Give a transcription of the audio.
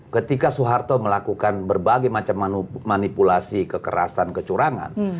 ketika soeharto melakukan berbagai macam manipulasi kekerasan kecurangan